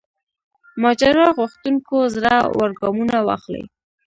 ماجرا غوښتونکو زړه ور ګامونه واخلي.